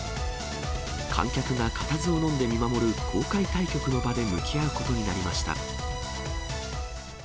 観客が固唾をのんで見守る公開対局の場で向き合うことになりました。